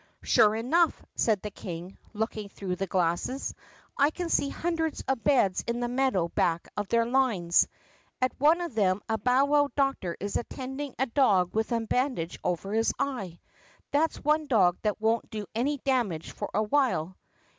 "Sure enough!" said the King looking through the glasses. "I can see hundreds of beds in the meadow back of their lines. At one of them a bowwow doctor is attending a dog with a ban dage over his eye. That 's one dog that won't do any damage for a while."